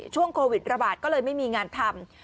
ช่วงโควิดระบาดก็เลยไม่มีงานทำ